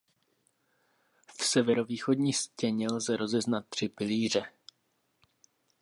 V severovýchodní stěně lze rozeznat tři pilíře.